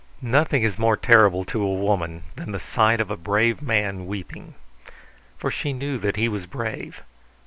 Nothing is more terrible to a woman than the sight of a brave man weeping. For she knew that he was brave.